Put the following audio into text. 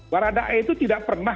baradae itu tidak pernah